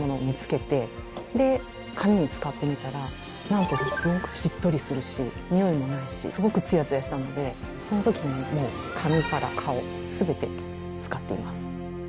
なんとすごくしっとりするしにおいもないしすごくツヤツヤしたのでその時に、もう髪から顔全てに使っています。